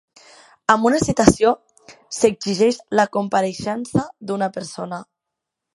Amb una "citació" s'exigeix la compareixença d'una persona.